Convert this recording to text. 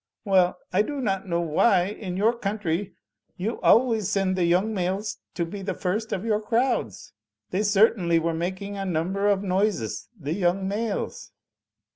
Well, I do not know why, in your coimtry you always send the young males to be the first of your crowds. They certainly were making a number of noises, the young males."